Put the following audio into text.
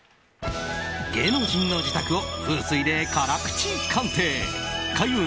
芸能人の自宅を風水で辛口鑑定開運！